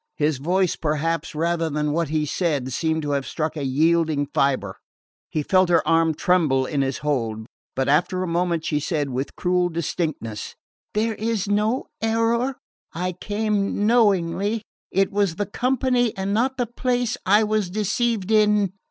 His voice, perhaps, rather than what he said, seemed to have struck a yielding fibre. He felt her arm tremble in his hold; but after a moment she said with cruel distinctness: "There was no error. I came knowingly. It was the company and not the place I was deceived in."